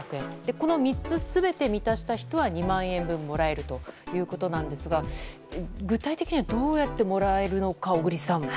この３つ全て満たした人は２万円分もらえるということなんですが具体的にはどうやってもらえるのか、小栗さん。